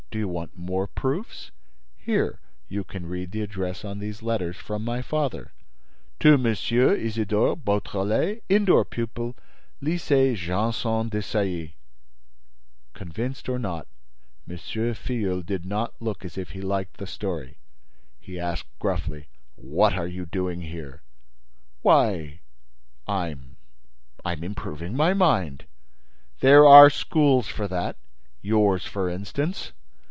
"Do you want more proofs? Here, you can read the address on these letters from my father: 'To Monsieur Isidore Beautrelet, Indoor Pupil, Lycée Janson de Sailly.'" Convinced or not, M. Filleul did not look as if he liked the story. He asked, gruffly: "What are you doing here?" "Why—I'm—I'm improving my mind." "There are schools for that: yours, for instance."